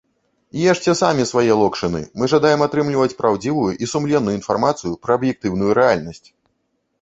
Ешце самі свае локшыны, мы жадаем атрымліваць праўдзівую і сумленную інфармацыю пра аб'ектыўную рэальнасць!